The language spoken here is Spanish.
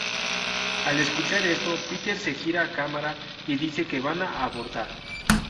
Al escuchar esto, Peter se gira a cámara y dice que van a abortar.